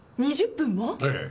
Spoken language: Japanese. ええ。